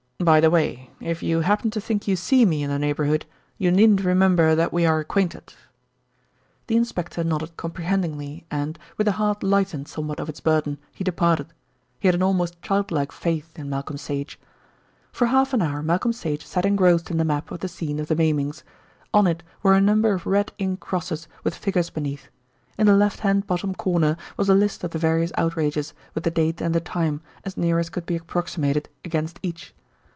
By the way, if you happen to think you see me in the neighbourhood you needn't remember that we are acquainted." The inspector nodded comprehendingly and, with a heart lightened somewhat of its burden, he departed. He had an almost child like faith in Malcolm Sage. For half an hour Malcolm Sage sat engrossed in the map of the scene of the maimings. On it were a number of red ink crosses with figures beneath. In the left hand bottom corner was a list of the various outrages, with the date and the time, as near as could be approximated, against each.